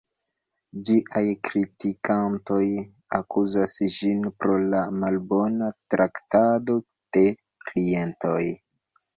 Ĝiaj kritikantoj akuzas ĝin pro la malbona traktado de klientoj.